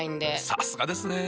さすがですね。